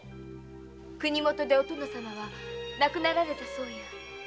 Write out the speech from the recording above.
国もとでお殿様は亡くなられたそうや。